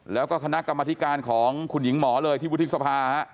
แล้วก็คณะกรรมธิการของคุณหญิงหมอเลยที่วุฒิสภา